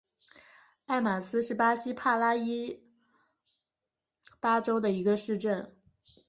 埃马斯是巴西帕拉伊巴州的一个市镇。